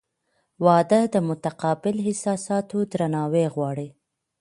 • واده د متقابل احساساتو درناوی غواړي.